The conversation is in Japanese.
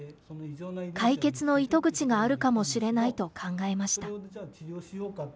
解決の糸口があるかもしれないと考えました。